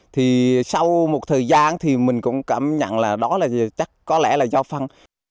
thì sau một thời gian thì mình cũng cảm nhận là đó là chắc có lẽ là do phân